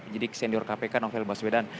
penyidik senior kpk novel baswedan